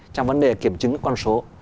trong vấn đề kiểm chứng các con số